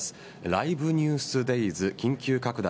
「ＬｉｖｅＮｅｗｓｄａｙｓ緊急拡大